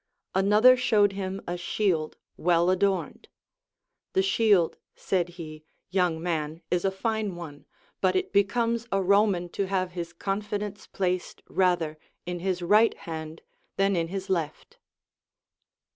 Another showed him a shield Avell adorned. The shield, said he, young man, is a fine one, but it becomes a Roman to have his confidence placed rather in his right hand than in his left.